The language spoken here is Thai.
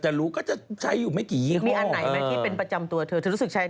แต่รู้ก็จะใช้อยู่ไหมกี่ห้อง